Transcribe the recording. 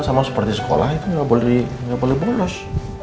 sama seperti sekolah itu nggak boleh boros